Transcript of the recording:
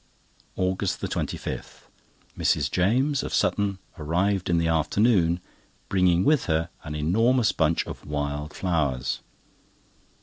AUGUST 25.—Mrs. James, of Sutton, arrived in the afternoon, bringing with her an enormous bunch of wild flowers.